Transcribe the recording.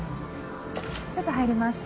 ちょっと入ります。